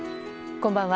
こんばんは。